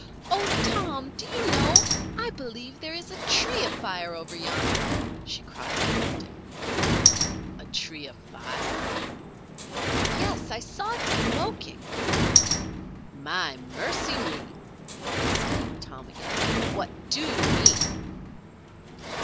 "Oh, Tom! Do you know I believe there is a tree afire over yonder," she cried, pointing. "A tree afire?" "Yes. I saw it smoking." "My mercy me!" exclaimed Tom again. "What do you mean?"